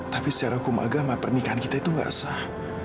tapi secara hukum agama pernikahan kita itu nggak sah